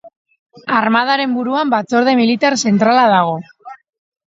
Armadaren buruan Batzorde Militar Zentrala dago.